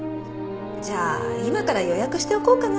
じゃあ今から予約しておこうかなビールグラス。